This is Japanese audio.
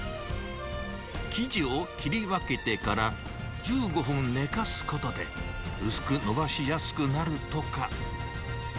生地を切り分けてから１５分寝かすことで、薄くのばしやすくなるとか。